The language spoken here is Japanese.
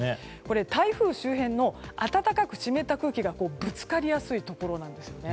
台風周辺の暖かく湿った空気がぶつかりやすいところです。